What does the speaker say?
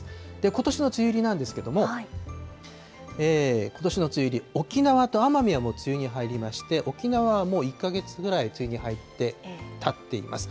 ことしの梅雨入りなんですけれども、ことしの梅雨入り、沖縄と奄美はもう梅雨に入りまして、沖縄はもう、１か月ぐらい梅雨に入ってたっています。